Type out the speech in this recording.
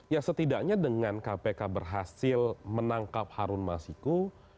ya setidaknya dengan kpk berhasil menangkap harun masiku